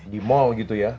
di mall gitu ya